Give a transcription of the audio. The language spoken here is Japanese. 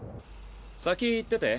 先行ってて。